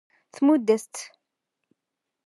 Tmudd-as-tt.